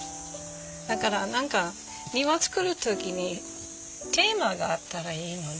だから何か庭造る時にテーマがあったらいいのね。